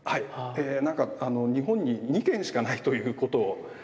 え何か日本に２軒しかないということを。